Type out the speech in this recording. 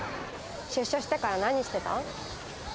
出所してから何してた？